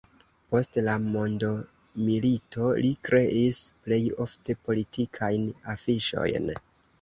Post la mondomilito li kreis plej ofte politikajn afiŝojn.